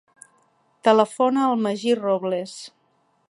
Telefona al Magí Robles.